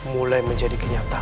mulai menjadi kenyataan